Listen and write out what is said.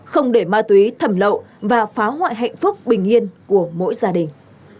không để ma túy thầm lộ và phá hoại hạnh phúc bình yên của mỗi gia đình